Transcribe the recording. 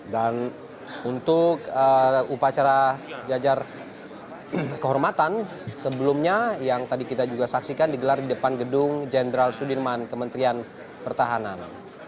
dan untuk upacara jajar kehormatan sebelumnya yang tadi kita juga saksikan digelar di depan gedung jenderal sudirman kementerian pertahanan